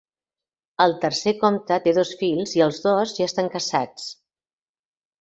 El tercer comte té dos fills i els dos ja estan casats.